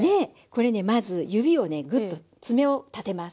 これねまず指をねぐっと爪を立てます。